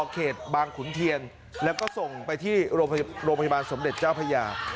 เขตบางขุนเทียนแล้วก็ส่งไปที่โรงพยาบาลสมเด็จเจ้าพญา